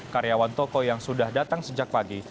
karyawan toko yang sudah datang sejak pagi